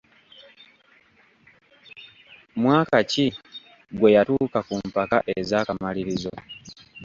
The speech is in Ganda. Mwaka ki gwe yatuuka ku mpaka ez’akamalirizo?